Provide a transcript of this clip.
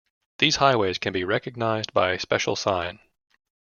These highways can be recognized by a special sign.